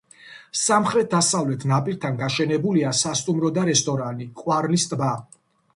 სამხრეთ-დასავლეთ ნაპირთან გაშენებულია სასტუმრო და რესტორანი „ყვარლის ტბა“.